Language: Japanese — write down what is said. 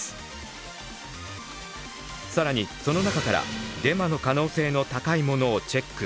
更にその中からデマの可能性の高いものをチェック。